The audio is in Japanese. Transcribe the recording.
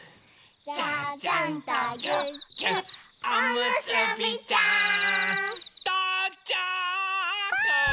「ちゃちゃんとぎゅっぎゅっおむすびちゃん」とうちゃく！